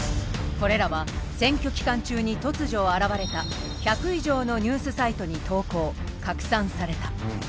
これらは選挙期間中に突如現れた１００以上のニュースサイトに投稿拡散された。